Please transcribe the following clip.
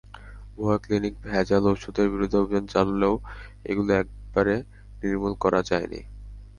ভুয়া ক্লিনিক, ভেজাল ওষুধের বিরুদ্ধে অভিযান চললেও এগুলো একেবারে নির্মূল করা যায়নি।